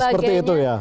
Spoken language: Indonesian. ya seperti itu ya